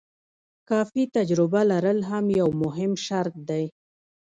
کافي تجربه لرل هم یو مهم شرط دی.